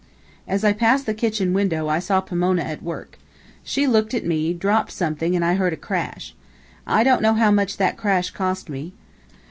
As I passed the kitchen window, I saw Pomona at work. She looked at me, dropped something, and I heard a crash. I don't know how much that crash cost me.